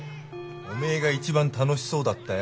おめえが一番楽しそうだったよ。